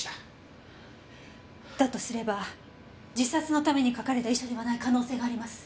だとすれば自殺のために書かれた遺書ではない可能性があります。